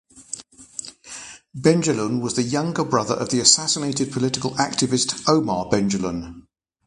Benjelloun was the younger brother of the assassinated political activist Omar Benjelloun.